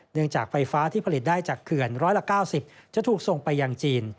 เนื่องจากไฟฟ้าที่ผลิตได้จากเขื่อนร้อยละ๙๐จะถูกส่งไปยังจีน